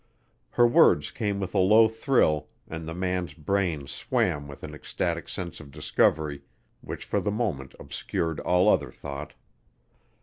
Her words came with a low thrill, and the man's brain swam with an ecstatic sense of discovery which for the moment obscured all other thought.